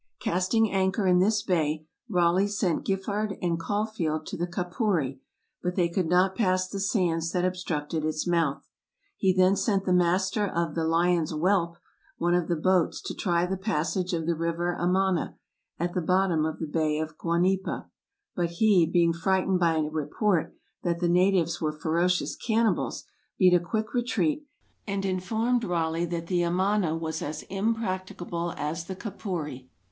Casting anchor in this bay, Raleigh sent Giffard and Caulfield to the Capuri, but they could not pass the sands that obstructed its mouth. He then sent the master of the "Lion's Whelp," one of the boats, to try the passage of the river Amana, at the bot tom of the Bay of Guanipa ; but he, being frightened by a report that the natives were ferocious cannibals, beat a quick retreat, and informed Raleigh that the Amana was as im practicable as the Capuri.